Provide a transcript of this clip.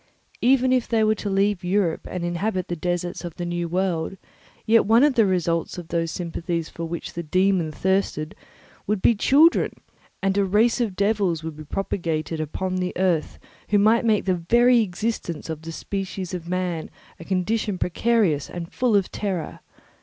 Even if they were to leave Europe and inhabit the deserts of the new world, yet one of the first results of those sympathies for which the dæmon thirsted would be children, and a race of devils would be propagated upon the earth who might make the very existence of the species of man a condition precarious and full of terror.